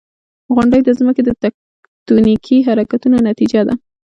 • غونډۍ د ځمکې د تکتونیکي حرکتونو نتیجه ده.